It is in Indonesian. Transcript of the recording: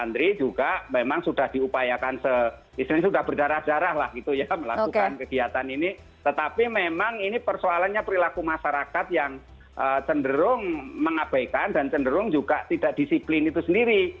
nah menteri juga memang sudah diupayakan sudah berdarah darah lah gitu ya melakukan kegiatan ini tetapi memang ini persoalannya perilaku masyarakat yang cenderung mengabaikan dan cenderung juga tidak disiplin itu sendiri